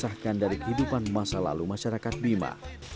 dan menisahkan dari kehidupan masa lalu masyarakat bima